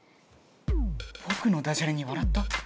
ぼくのダジャレに笑った？